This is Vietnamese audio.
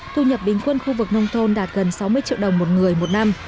thu nhập bình quân khu vực nông thôn đạt gần sáu mươi triệu đồng một người một năm